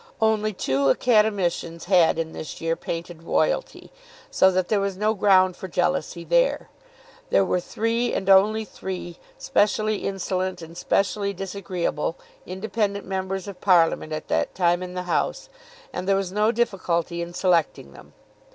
Only two Academicians had in this year painted royalty, so that there was no ground for jealousy there. There were three, and only three, specially insolent and specially disagreeable independent members of Parliament at that time in the House, and there was no difficulty in selecting them.